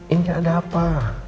ini ada apa